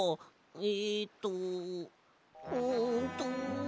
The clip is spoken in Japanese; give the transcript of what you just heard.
えっとうんと。